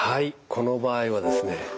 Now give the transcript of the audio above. この場合はですね